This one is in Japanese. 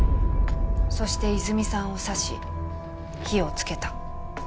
そして泉水さんを刺し火をつけた。